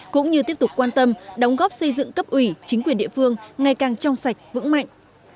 cũng như tiếp tục quan tâm đóng góp xây dựng cấp ủy chính quyền địa phương ngày càng trong sạch vững mạnh